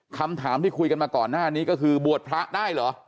คำถามที่คุยกันมาก่อนหน้านี้ก็คือบวชพระได้เหรอ